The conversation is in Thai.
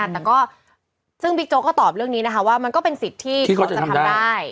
แต่ก็ซึ่งบิ๊กโจ๊กก็ตอบเรื่องนี้นะคะว่ามันก็เป็นสิทธิ์ที่เขาจะทำได้